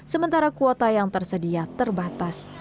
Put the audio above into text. sementara kuota yang tersedia terbatas